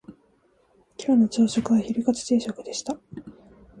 今日の朝食はヒレカツ定食でした